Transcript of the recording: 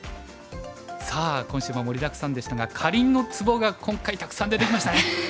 さあ今週も盛りだくさんでしたがカリンのツボが今回たくさん出てきましたね。